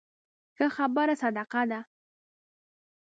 ښه خبره صدقه ده